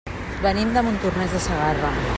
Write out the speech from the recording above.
Venim de Montornès de Segarra.